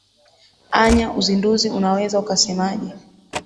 anya uzinduzi unaweza ukasemaje